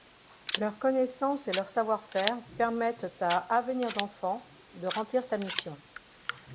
Leurs connaissances et leur savoir-faire permettent à Avenir d'enfants de remplir sa mission.